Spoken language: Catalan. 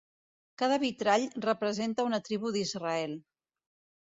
Cada vitrall representa una tribu d'Israel.